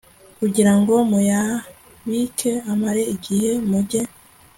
Kugira ngo muyabike amare igihe mujye